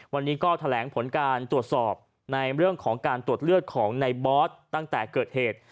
วันนี้ก็แถลงผลการตรวจสอบในเรื่องของการตรวจเลือดของในบอสตั้งแต่เกิดเหตุ